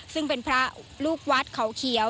ซึ่งเป็นพระลูกวัดเขาเขียว